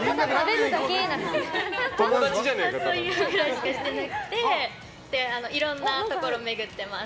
感想言い合ったりしかしてなくていろんなところを巡っています。